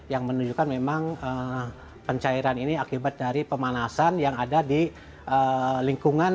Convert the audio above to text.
yang menunjukkan memang pencairan ini akibat dari pemanasan yang ada di lingkungan